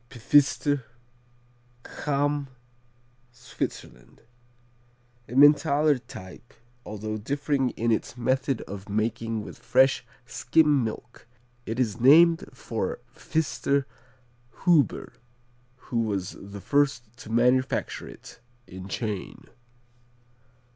Pfister Cham, Switzerland Emmentaler type, although differing in its method of making with fresh skim milk. It is named for Pfister Huber who was the first to manufacture it, in Chain.